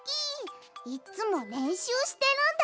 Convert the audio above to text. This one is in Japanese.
いっつもれんしゅうしてるんだ！